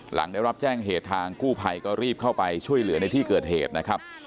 หลังได้รับแจ้งเหตุทางกู้ภัยก็รีบเข้าไปช่วยเหลือในที่เกิดเหตุนะครับ